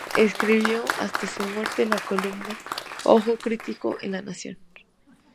Escribió hasta su muerte la columna "Ojo crítico" en La Nación.